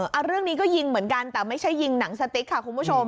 เอาเรื่องนี้ก็ยิงเหมือนกันแต่ไม่ใช่ยิงหนังสติ๊กค่ะคุณผู้ชม